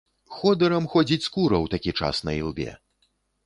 Ходырам ходзіць скура ў такі час на ілбе.